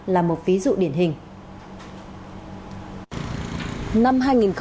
là một ví dụ điển hình